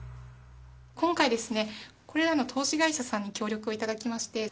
今回ですね、これらの投資会社さんに協力をいただきまして。